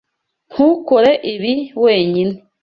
Ntukore ibi wenyine.